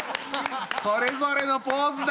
それぞれのポーズだ！